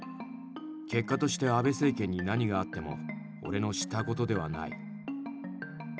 結果として安倍政権に何があっても俺の知ったことではない。